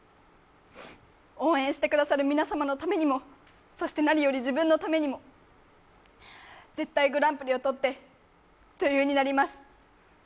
応援してくださる皆様のためにもそして何より自分のためにも絶対グランプリを取って女優になります。